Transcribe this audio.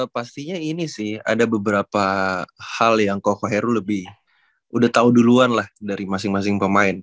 pastinya ini sih ada beberapa hal yang koko heru lebih udah tahu duluan lah dari masing masing pemain